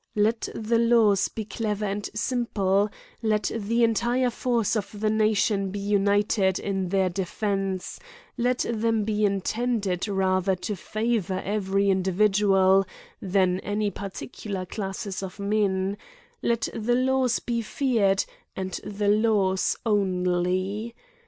Let the laws be clear and simple, let the entire force of the nation be united in their defence, let them be intended rather to favour every individual than any parti cular classes of men^ let the laws be feared, and the laws only.